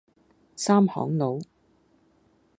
三行佬